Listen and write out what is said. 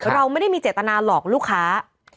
เราไม่ได้มีเจตนาหลอกลูกค้า